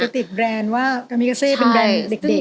ติดแบรนด์ว่ากามิกาเซเป็นแรนด์เด็ก